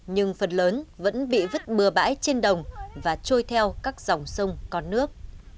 nhưng phần lớn vẫn bị vứt bừa bãi trên đồng và trôi theo các dòng sông con nước